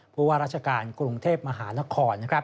ผู้ว่าราชการกรุงเทพมหานคร